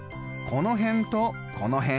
この辺とこの辺